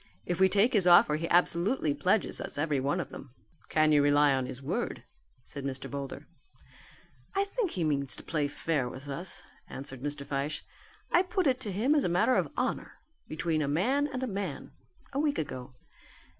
If we take his offer he absolutely pledges us every one of them." "Can you rely on his word?" said Mr. Boulder. "I think he means to play fair with us," answered Mr. Fyshe. "I put it to him as a matter of honour, between man and man, a week ago.